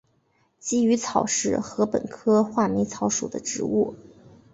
鲫鱼草是禾本科画眉草属的植物。